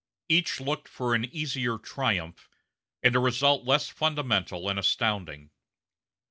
Each looked for an easier triumph, and a result less fundamental and astounding.